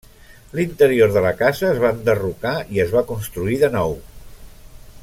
L'interior de la casa es va enderrocar i es va construir de nou.